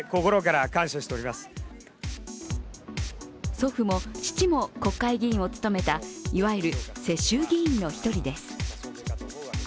祖父も父も国会議員を務めたいわゆる世襲議員の一人です。